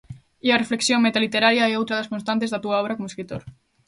E a reflexión metaliteraria é outra das constantes da túa obra como escritor.